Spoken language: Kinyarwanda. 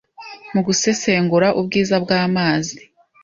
mu gusesengura ubwiza bw’amazi